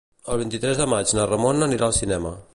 El vint-i-tres de maig na Ramona anirà al cinema.